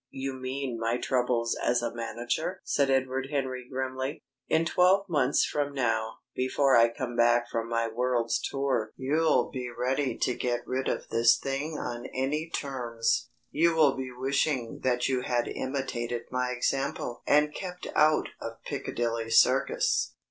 "You mean my troubles as a manager?" said Edward Henry grimly. "In twelve months from now, before I come back from my world's tour, you'll be ready to get rid of this thing on any terms. You will be wishing that you had imitated my example and kept out of Piccadilly Circus.